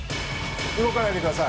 動かないでください